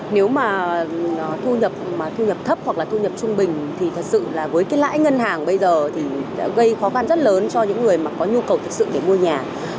nếu mà thu nhập mà thu nhập thấp hoặc là thu nhập trung bình thì thật sự là với cái lãi ngân hàng bây giờ thì gây khó khăn rất lớn cho những người mà có nhu cầu thực sự để mua nhà